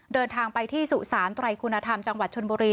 เดินทางไปที่สุสานไตรคุณธรรมจังหวัดชนบุรี